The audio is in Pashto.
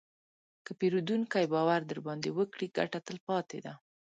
که پیرودونکی باور درباندې وکړي، ګټه تلپاتې ده.